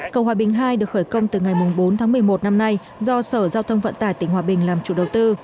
cầu hòa bình ii được khởi công từ ngày bốn tháng một mươi một năm nay do sở giao thông vận tải tỉnh hòa bình làm chủ đầu tư